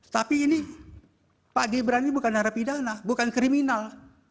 tapi ini pak gebrani bukan harapi dana bukan kriminal